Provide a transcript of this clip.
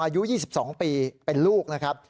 อายุ๒๒ปีเป็นลูกนะครับ